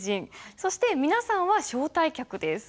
そして皆さんは招待客です。